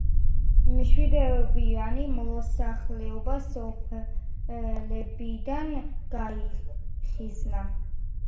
მშვიდობიანი მოსახლეობა სოფლებიდან გაიხიზნა.